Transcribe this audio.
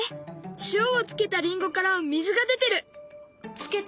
塩をつけたりんごから水が出てる！